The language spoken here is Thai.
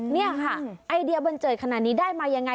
นี่ค่ะไอเดียบันเจิดขนาดนี้ได้มายังไง